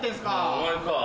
お前か。